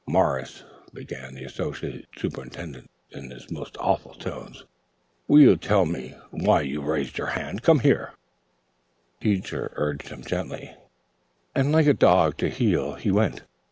"Morris," began the Associate Superintendent in his most awful tones, "will you tell me why you raised your hand? Come here, sir." Teacher urged him gently, and like dog to heel, he went.